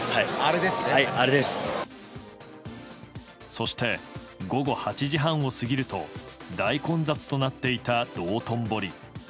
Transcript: そして、午後８時半を過ぎると大混雑となっていた道頓堀。